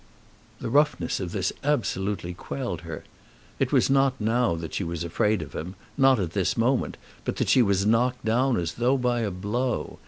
The roughness of this absolutely quelled her. It was not now that she was afraid of him, not at this moment, but that she was knocked down as though by a blow.